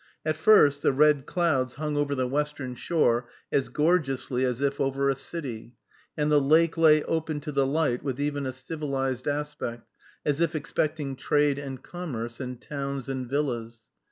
At first the red clouds hung over the western shore as gorgeously as if over a city, and the lake lay open to the light with even a civilized aspect, as if expecting trade and commerce, and towns and villas.